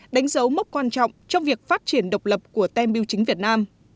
đánh dấu mốc quan trọng trong việc phát triển độc lập của tem biêu chính việt nam